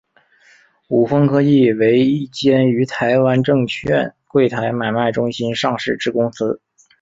伍丰科技为一间于台湾证券柜台买卖中心上市之公司。